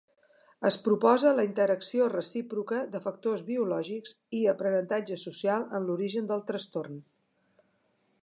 Es proposa la interacció recíproca de factors biològics i aprenentatge social en l'origen del trastorn.